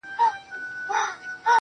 د خدای د بُتپرستو د شرابو ميکده ده_